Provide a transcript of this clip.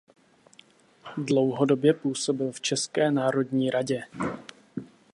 Dlouhodobě působil v České národní radě.